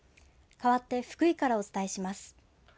かわって福井からお伝えします。